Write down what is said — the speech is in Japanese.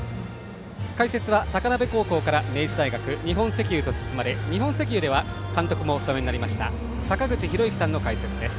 解説は高鍋高校から明治大学日本石油と進まれ日本石油では監督もお務めになりました坂口裕之さんの解説です。